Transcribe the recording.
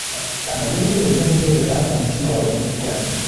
amayeri yuburiganya anyerera mumutima wawe muto uryamye.